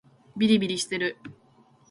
びりびりしてる